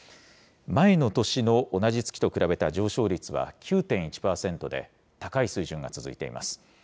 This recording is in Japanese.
前の年の同じ月と比べた上昇率は９．１％で、高い水準が続いています。